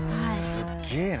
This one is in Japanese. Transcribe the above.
すっげえな。